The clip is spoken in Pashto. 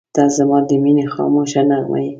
• ته زما د مینې خاموشه نغمه یې.